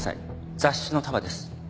雑誌の束です。